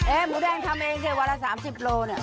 ไอ้หมูแดงทำเองซิวันละ๓๐กิโลเมตร